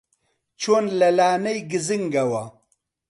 چۆن لە لانەی گزنگەوە